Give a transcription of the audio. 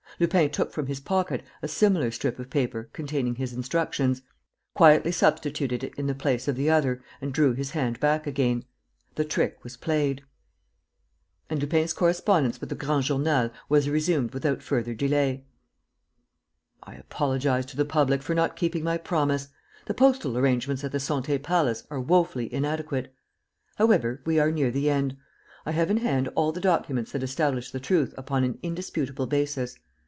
Lupin took from his pocket a similar strip of paper containing his instructions, quietly substituted it in the place of the other and drew his hand back again. The trick was played. And Lupin's correspondence with the Grand Journal was resumed without further delay. "I apologize to the public for not keeping my promise. The postal arrangements at the Santé Palace are woefully inadequate. "However, we are near the end. I have in hand all the documents that establish the truth upon an indisputable basis.